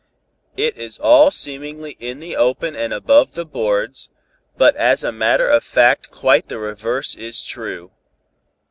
It is all seemingly in the open and above the boards, but as a matter of fact quite the reverse is true.